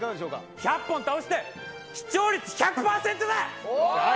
１００本倒して視聴率１００％だ。